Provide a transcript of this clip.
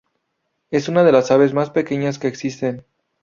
Es una de las aves más pequeñas que existen.